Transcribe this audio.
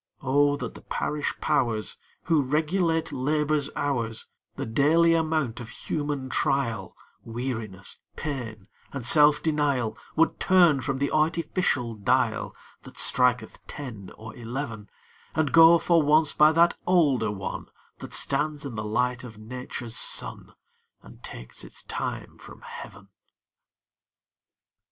Oh that the Parish Powers, Who regulate Labor's hours, The daily amount of human trial, Weariness, pain, and self denial, Would turn from the artificial dial That striketh ten or eleven, And go, for once, by that older one That stands in the light of Nature's sun, And takes its time from Heaven!